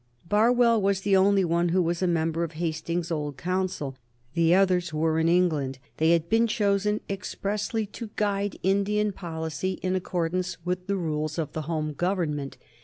Barwell was the only one who was a member of Hastings's old Council. The three others were in England; they had been chosen expressly to guide Indian policy in accordance with the views of the home Government.